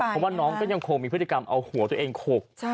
เพราะว่าน้องก็ยังคงมีพฤติกรรมเอาหัวตัวเองขก